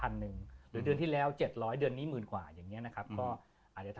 เดือนที่แล้ว๗๐๐เดือนนี้๑๐๐๐๐บาท